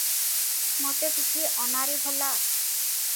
ମତେ ଟିକିଏ ଅନାରେ ଭଲା!